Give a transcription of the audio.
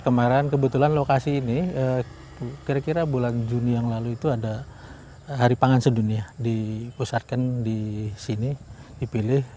kemarin kebetulan lokasi ini kira kira bulan juni yang lalu itu ada hari pangan sedunia dipusatkan di sini dipilih